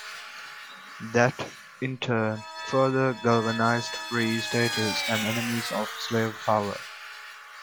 That, in turn, further galvanized Free-Staters and enemies of Slave Power.